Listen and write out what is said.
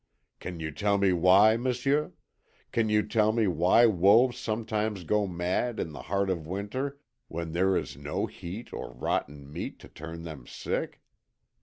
Can you tell me why, m'sieu? Can you tell me why wolves sometimes go mad in the heart of winter when there is no heat or rotten meat to turn them sick?